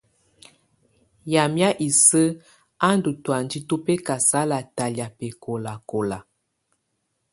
Yamɛ̀á isǝ́ á ndù tɔ̀ánjɛ tu bɛkasala talɛ̀́á bɛkɔlakɔla.